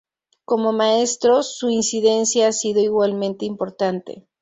Como maestro, su incidencia ha sido igualmente importante.